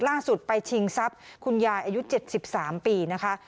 ล่าสุดไปชิงทรัพย์คุณยายอายุ๗๓ปีนะคะ